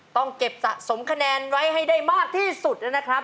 ต้องเก็บสะสมคะแนนไว้ให้ได้มากที่สุดนะครับ